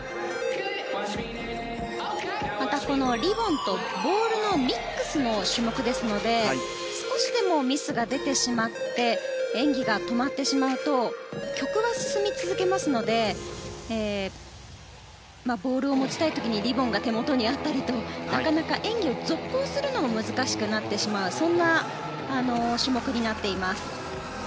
また、リボンとボールのミックスの種目ですので少しでもミスが出てしまって演技が止まってしまうと曲は進み続けますのでボールを持ちたい時にリボンが手元にあったりとなかなか演技を続行するのも難しくなってしまうそんな種目になっています。